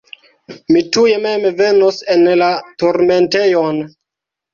Mi tuj mem venos en la turmentejon.